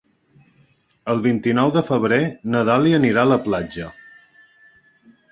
El vint-i-nou de febrer na Dàlia anirà a la platja.